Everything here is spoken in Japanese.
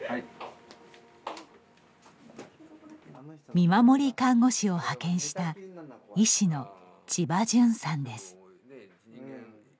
見守り看護師を派遣した医師の千場純さんです。